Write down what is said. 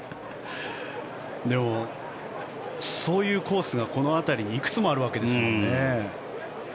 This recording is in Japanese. でも、そういうコースがこの辺りにいくつもあるわけですもんね。